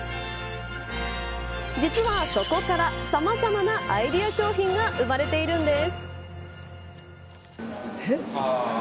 実は、そこからさまざまなアイデア商品が生まれているんです。